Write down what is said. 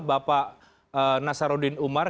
bapak nasaruddin umar